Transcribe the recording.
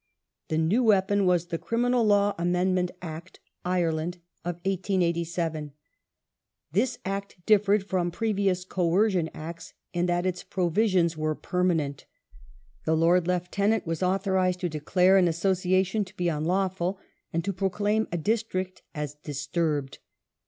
The new weapon was the Criminal Law Amendment Act (Ireland) of 1887. This Act differed from previous Coercion Acts in that its provisions were permanent. The Lord Lieutenant was authorized to declare an association to be unlawful," and to proclaim a district as '* disturbed